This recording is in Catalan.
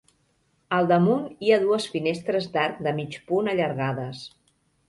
Al damunt hi ha dues finestres d'arc de mig punt allargades.